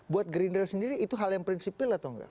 buat gerindra sendiri itu hal yang prinsipil atau enggak